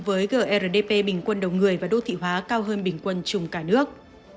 với grdp bình quân đầu người và đô thị hóa cao hơn bình quân chung cả nước